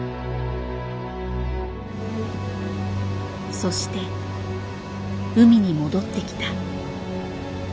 そして海に戻ってきた。